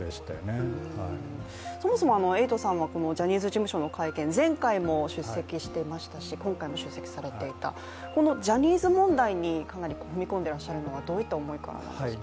そもそもエイトさんはジャニーズ事務所の会見、前回も出席されてましたし、今回も出席されていた、ジャニーズ問題にかなり踏み込んでいらっしゃるのはどういった思いからなんですか？